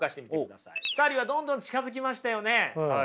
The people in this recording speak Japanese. ２人はどんどん近づきましたよね。